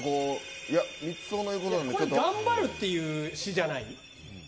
これは頑張るっていう詩じゃない？